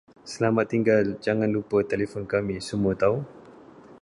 Selamat tinggal jangan lupa telefon kami semua tahu